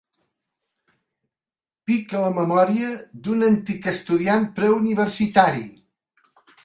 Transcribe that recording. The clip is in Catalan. Pica la memòria d'un antic estudiant preuniversitari.